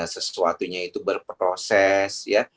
sesuatunya itu berproses ya